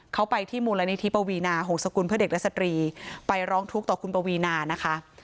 เขาไปที่มูลนิธิปวีนาหงศกุลเพื่อเด็กและสตรีไปร้องทุกข์ต่อคุณปวีนานะคะ